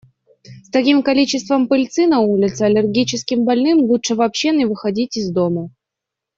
С таким количеством пыльцы на улице, аллергическим больным лучше вообще не выходить из дома.